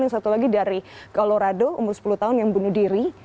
yang satu lagi dari colorado umur sepuluh tahun yang bunuh diri